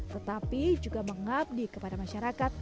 tetapi juga mengabdi kepada masyarakat